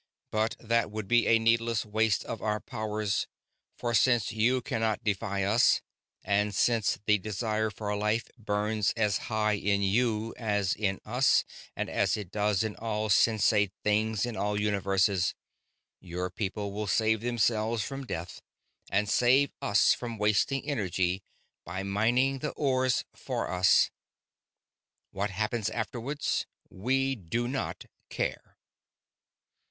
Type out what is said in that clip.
But that would be a needless waste of our powers, for since you can not defy us, and since the desire for life burns as high in you as in us and as it does in all sensate things in all universes, your people will save themselves from death and save us from wasting energy by mining the ores for us. What happens afterwards, we do not care.